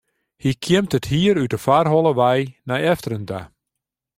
Hy kjimt it hier út de foarholle wei nei efteren ta.